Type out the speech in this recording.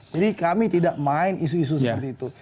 jadi kami tidak main isu isu seperti itu